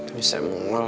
itu sam bengel